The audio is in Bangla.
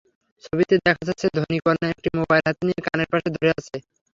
ছবিতে দেখা যাচ্ছে, ধোনি-কন্যা একটি মোবাইল হাতে নিয়ে কানের পাশে ধরে আছে।